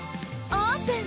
オープン！